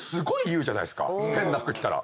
変な服着たら。